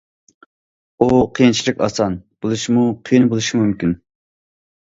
ئۇ قىيىنچىلىق ئاسان بولۇشىمۇ، قىيىن بولۇشىمۇ مۇمكىن.